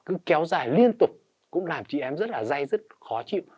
cứ kéo dài liên tục cũng làm chị em rất là dây rất khó chịu